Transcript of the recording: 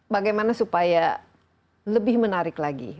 bagaimana supaya lebih menarik lagi